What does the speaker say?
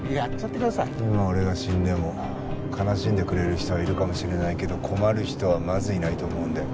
今俺が死んでも悲しんでくれる人はいるかもしれないけど困る人はまずいないと思うんで。